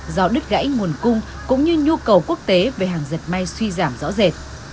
do đứt gãy nguồn cung cũng như nhu cầu quốc tế về hàng dệt may suy giảm rõ rệt